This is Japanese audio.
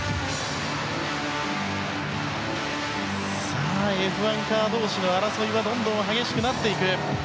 さあ、Ｆ１カー同士の争いはどんどん激しくなっていく。